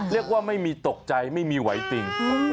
เรียกว่าไม่มีตกใจไม่มีไหวจริง